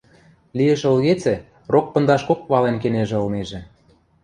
Лиэш ылгецӹ, рок пындашкок вален кенежӹ ылнежӹ.